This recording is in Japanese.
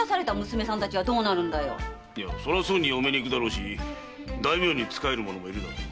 それはすぐに嫁に行くだろうし大名に仕える者もいるだろう。